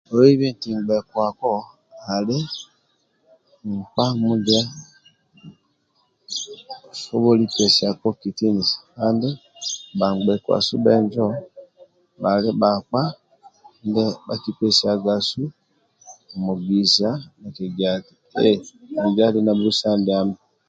Oibi oti ngbekuako ali nkpa mundie asoboli pesiako kitinisa kandi bhangbekuasu bhenjo bhali bhakpa ndia bhakipesiagasu mugisa kigiati minjo ali nambusa ndiamo.